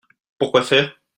Pour quoi faire ?